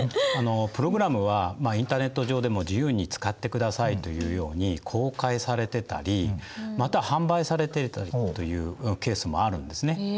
プログラムはインターネット上でも自由に使ってくださいというように公開されてたりまたは販売されてたりというケースもあるんですね。